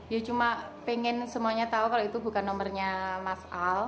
ya cuma pengen semuanya tahu kalau itu bukan nomornya mas al